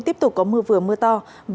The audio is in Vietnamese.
tiếp tục có mưa vừa mưa to